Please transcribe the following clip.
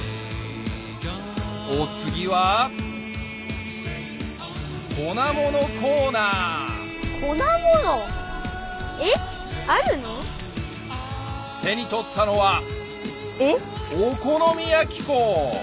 お次は粉ものコーナー手に取ったのはお好み焼き粉！